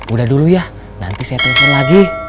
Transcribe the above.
udah dulu ya nanti saya telepon lagi